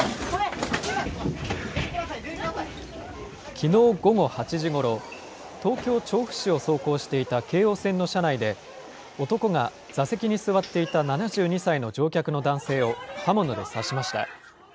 きのう午後８時ごろ、東京・調布市を走行していた京王線の車内で、男が座席に座っていた７２歳の乗客の男性を刃物で刺しました。